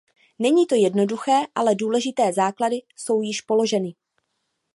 Není to jednoduché, ale důležité základy jsou již položeny.